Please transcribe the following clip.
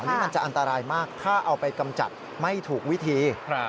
อันนี้มันจะอันตรายมากถ้าเอาไปกำจัดไม่ถูกวิธี